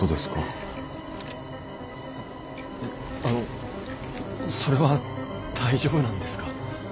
あのそれは大丈夫なんですか？